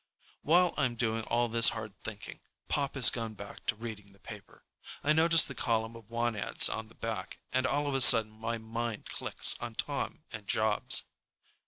While I'm doing all this hard thinking, Pop has gone back to reading the paper. I notice the column of want ads on the back, and all of a sudden my mind clicks on Tom and jobs.